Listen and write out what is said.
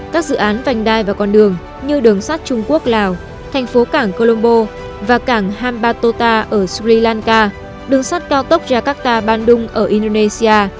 các dự án vành đai và con đường như đường sắt trung quốc lào thành phố cảng colombo và cảng hambatota ở sri lanka đường sắt cao tốc jakarta bandung ở indonesia